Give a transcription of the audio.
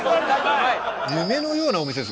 夢のようなお店です